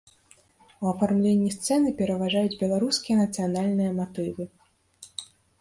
У афармленні сцэны пераважаюць беларускія нацыянальныя матывы.